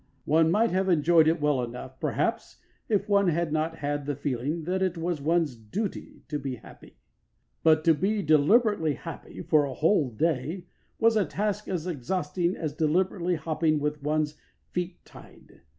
One might have enjoyed it well enough, perhaps, if one had not had the feeling that it was one's duty to be happy. But to be deliberately happy for a whole day was a task as exhausting as deliberately hopping with one's feet tied.